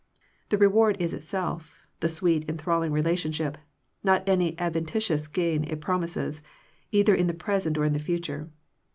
Its reward is itself, the sweet, enthralling relationship, not any adventitious gain it promises, either in the present, or for the future.